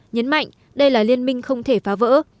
nhấn mạnh đây là liên minh không thể phá vỡ